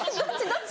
どっち？